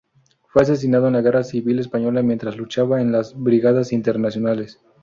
Fue asesinado en la Guerra Civil española mientras luchaba en las Brigadas Internacionales.